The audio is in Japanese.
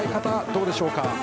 どうでしょうか。